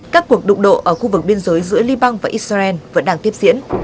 các cuộc đụng độ ở khu vực biên giới giữa liban và israel vẫn đang tiếp diễn